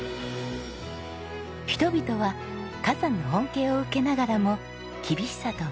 人々は火山の恩恵を受けながらも厳しさと向き合ってきました。